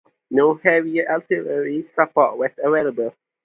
No heavier artillery support was available.